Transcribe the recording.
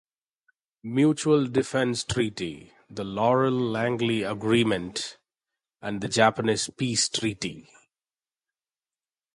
Mutual Defense Treaty, the Laurel-Langley Agreement, and the Japanese Peace Treaty.